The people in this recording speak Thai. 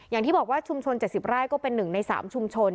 อย่างที่บอกว่าชุมชน๗๐ไร่ก็เป็น๑ใน๓ชุมชน